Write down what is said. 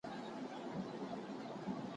سوله ویر کموي.